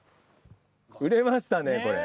売れましたね、これ。